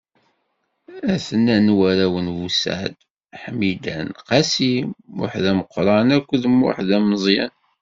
A-ten-an warraw n Bussaɛd: Ḥmidan, Qasi, Muḥdameqṛan akked Muḥdameẓyan.